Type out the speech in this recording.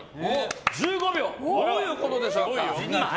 １５秒、どういうことでしょうか。